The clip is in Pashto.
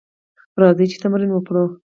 راځئ چې تمرین وکړو: